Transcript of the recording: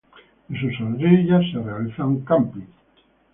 En sus orillas se realizan "campings".